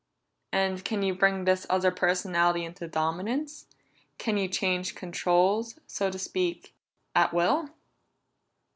"And can you bring this other personality into dominance? Can you change controls, so to speak, at will?"